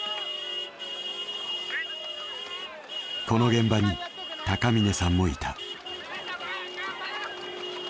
この現場に高峰さんもいた。